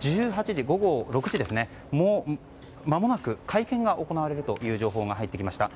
１８時、午後６時にもうまもなく会見が行われるという情報が入ってきました。